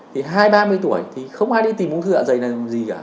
thì hai ba mươi tuổi thì không ai đi tìm ung thư ở dây làm gì cả